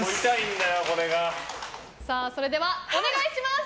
それでは、お願いします。